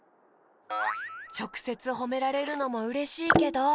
ちょくせつほめられるのもうれしいけど。